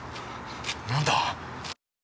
何だ？